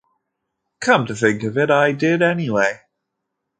Come to think of it, I did anyway.